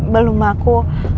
belum ma aku